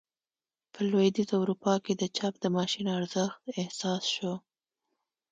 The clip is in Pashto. په لوېدیځه اروپا کې د چاپ د ماشین ارزښت احساس شو.